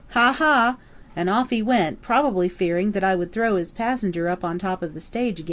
Ha, ha!" And off he went, probably fearing that I would throw his passenger up on the top of the stage again.